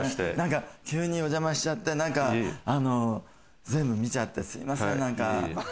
急にお邪魔しちゃって、全部見ちゃってすいません。